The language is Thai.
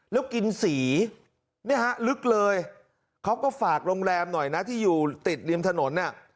แล้วกินสีเนี่ยฮะลึกเลยเขาก็ฝากโรงแรมหน่อยนะที่อยู่ติดริมถนนน่ะ